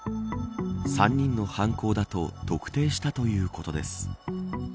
３人の犯行だと特定したということです。